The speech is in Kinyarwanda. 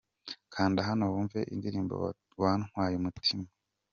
Kanda hano wumve indirimbo wantwaye umutima.